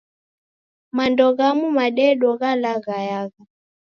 Mando ghamu madedo ghalaghayagha.